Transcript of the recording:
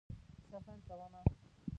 سفر کومه